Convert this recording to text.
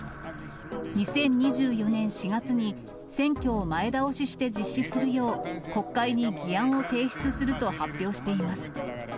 ２０２４年４月に選挙を前倒しして実施するよう、国会に議案を提出すると発表しています。